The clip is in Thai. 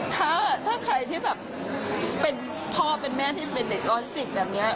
ถ้าใครที่แบบเป็นพ่อเป็นแม่ที่เป็นเด็กออสสิกแบบนี้